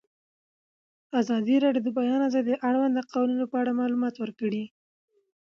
ازادي راډیو د د بیان آزادي د اړونده قوانینو په اړه معلومات ورکړي.